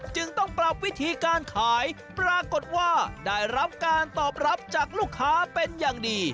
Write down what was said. จึงต้องปรับวิธีการขายปรากฏว่าได้รับการตอบรับจากลูกค้าเป็นอย่างดี